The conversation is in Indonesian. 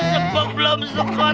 sebok belum sepon